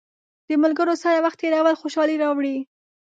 د ملګرو سره وخت تېرول خوشحالي راوړي.